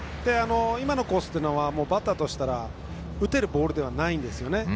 今のコースというのはバッターとしたら打てるボールではないんですよね。